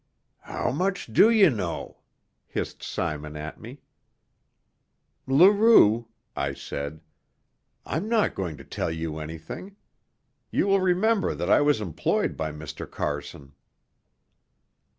"How much do you know?" hissed Simon at me. "Leroux," I said, "I'm not going to tell you anything. You will remember that I was employed by Mr. Carson."